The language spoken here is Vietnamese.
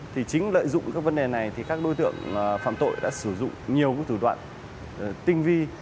thì chính lợi dụng các vấn đề này thì các đối tượng phạm tội đã sử dụng nhiều thủ đoạn tinh vi